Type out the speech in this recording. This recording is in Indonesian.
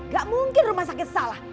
gak mungkin rumah sakit salah